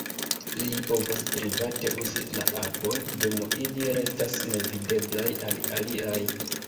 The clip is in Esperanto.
Ili povos private uzi la apon dum ili restas nevideblaj al aliaj.